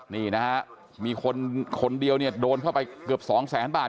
นี่นะครับมีคนเดียวโดนเข้าไปเกือบ๒๐๐๐๐๐บาท